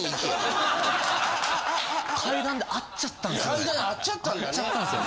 階段で会っちゃったんですよね。